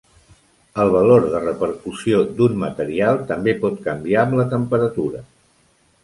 El valor de repercussió d"un material també pot canviar amb la temperatura.